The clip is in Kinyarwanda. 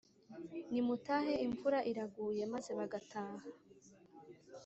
“Nimutahe imvura iraguye”, maze bagataha.